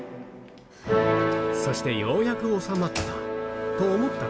そしてようやく治まったと思ったら。